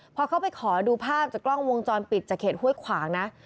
พอเข้าไปขอดูภาพจากกล้องวงจรปิดจากเขตห้วยขวางนะ